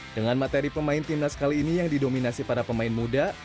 dengan materi pemain timnas kali ini yang didominasi para pemain muda